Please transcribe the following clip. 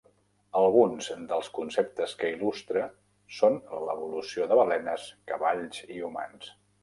Alguns dels conceptes que il·lustra són l'evolució de balenes, cavalls i humans.